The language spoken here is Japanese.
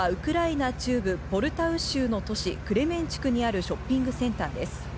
攻撃を受けたのはウクライナ中部ポルタワ州の都市、クレメンチュクにあるショッピングセンターです。